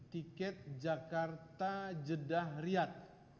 tiket jakarta jedah riat